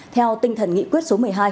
theo tinh thần nghị quyết số một mươi hai